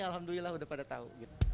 alhamdulillah udah pada tahu